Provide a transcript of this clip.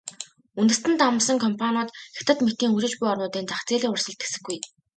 Үндэстэн дамнасан компаниуд Хятад мэтийн хөгжиж буй орнуудын зах зээлийн урсгалд тэсэхгүй.